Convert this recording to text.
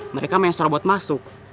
mereka main sorobot masuk